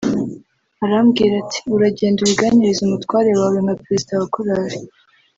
Arambwira ati ‘Uragenda ubiganirize umutware wawe nka perezida wa korali